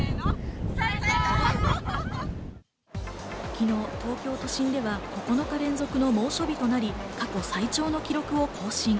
昨日、東京都心では９日連続の猛暑日となり、過去最長の記録を更新。